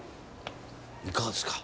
いかがですか？